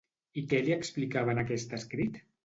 I què li explicava en aquest escrit?